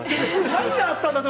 ◆何があったんだと。